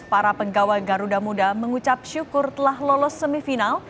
para pegawai garuda muda mengucap syukur telah lolos semifinal